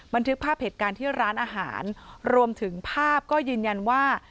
บันทึกภาพเหตุการณ์ที่ร้านอาหารรวมถึงภาพก็ยืนยันว่า